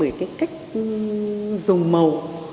bởi cái cách dùng màu